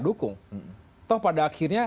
dukung toh pada akhirnya